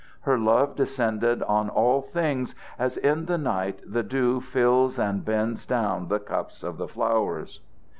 Her love descended on all things as in the night the dew fills and bends down the cups of the flowers.